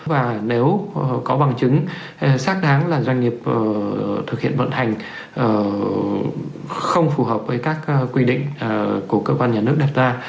và nếu có bằng chứng xác đáng là doanh nghiệp thực hiện vận hành không phù hợp với các quy định của cơ quan nhà nước đặt ra